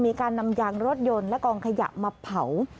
มีการนำยางรถยนต์และกองขยะมาเผา